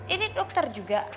ini dokter juga